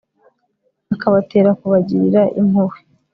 akabatera kubagirira impuhwe